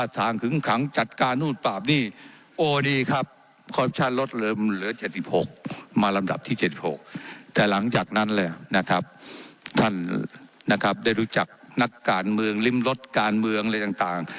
แต่หลังจากนั้นเลยนะครับท่านนะครับได้รู้จักนักการมือง